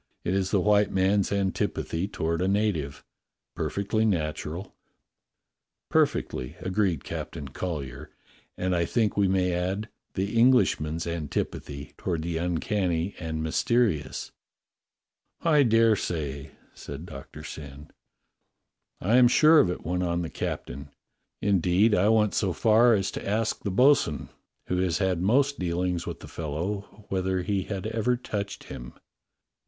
"It is the white man's antipathy toward a native. Perfectly nat ural." "Perfectly," agreed Captain Collyer. "And I think we may add the Englishman's antipathy toward the uncanny and mysterious." "I dare say," said Doctor Syn. "I am sure of it," went on the captain. "Indeed, I 152 DOCTOR SYN went so far as to ask the bo'sun, who has had most deahngs with the fellow, whether he had ever touched him."